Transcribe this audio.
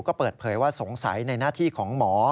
ก็เปิดเผยว่าสงสัยในหน้าที่ของหมอ